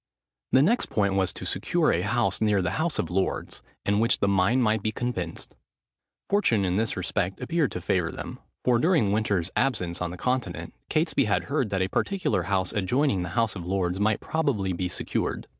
The next point was to secure a house near the House of Lords, in which the mine might be commenced. Fortune, in this respect, appeared to favour them, for during Winter's absence on the Continent, Catesby had heard that a particular house adjoining the House of Lords might probably be secured.